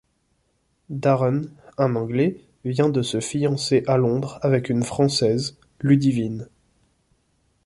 Darren, un anglais, vient de se fiancer à Londres avec une Française, Ludivine.